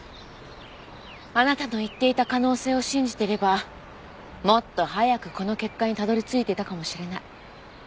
あなたの言っていた可能性を信じていればもっと早くこの結果にたどり着いてたかもしれない。